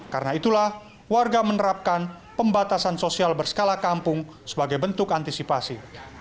karena itulah warga menerapkan pembatasan sosial berskala kampung sebagai bentuk antisipasi